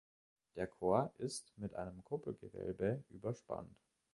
Der Chor ist mit einem Kuppelgewölbe überspannt.